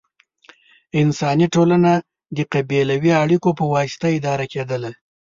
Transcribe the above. انساني ټولنه د قبیلوي اړیکو په واسطه اداره کېدله.